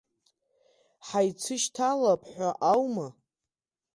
Ҳаицышьҭалап ҳәа аума!